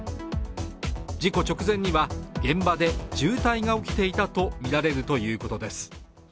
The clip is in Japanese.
事故直前には、現場で渋滞が起きていたとみられるということです。